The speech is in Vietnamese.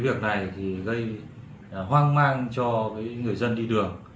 cái việc này thì gây hoang mang cho người dân đi đường